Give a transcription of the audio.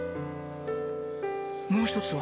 もう１つは？